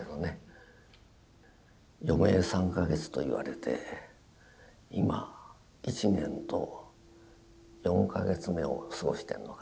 余命３か月と言われて今１年と４か月目を過ごしてるのかな。